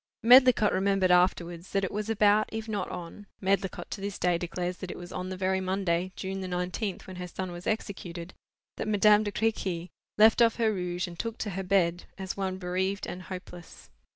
Medlicott remembered afterwards that it was about, if not on—Medlicott to this day declares that it was on the very Monday, June the nineteenth, when her son was executed, that Madame de Crequy left off her rouge and took to her bed, as one bereaved and hopeless.